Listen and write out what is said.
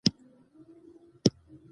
زه چای او شیدې خوښوم.